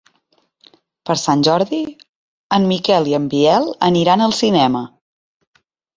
Per Sant Jordi en Miquel i en Biel aniran al cinema.